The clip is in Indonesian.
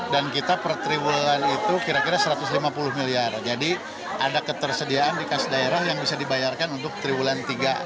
dan kita per tiga bulan itu kira kira rp satu ratus lima puluh miliar jadi ada ketersediaan di kas daerah yang bisa dibayarkan untuk tiga bulan tiga